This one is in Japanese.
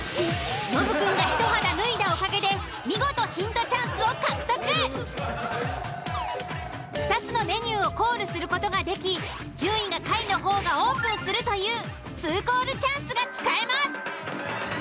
ノブくんが一肌脱いだおかげで見事２つのメニューをコールする事ができ順位が下位の方がオープンするという２コールチャンスが使えます。